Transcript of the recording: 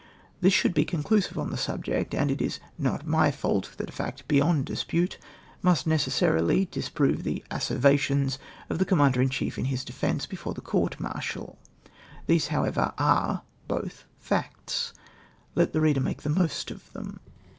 This should be conclusive on the subject, and it is not my fault that a fact beyond dispute, must necessarily di ^prove the asseverations of the Coni mandei' in chief in his defence before the court martial. These, however, are both facts. Let the reader make the most of them.